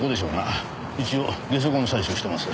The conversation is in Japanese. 一応下足痕採取してます。